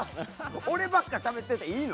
俺ばっかしゃべってていいの？